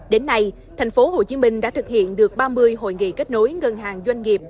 đến nay tp hcm đã thực hiện được ba mươi hội nghị kết nối ngân hàng doanh nghiệp